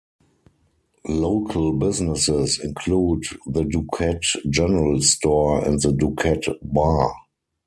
Local businesses include the Duquette General Store and the Duquette Bar.